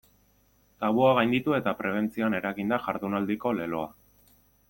Tabua gainditu eta prebentzioan eragin da jardunaldiko leloa.